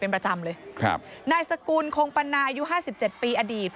นายสกุลโคงปัณษฐ์